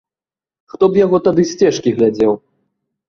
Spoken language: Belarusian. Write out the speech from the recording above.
Хто б яго тады сцежкі глядзеў.